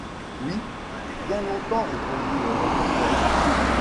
Oui, bien longtemps répondit le reporter